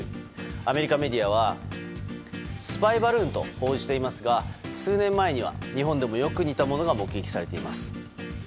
アメリカメディアはスパイバルーンと報じていますが数年前には日本でもよく似たものが目撃されています。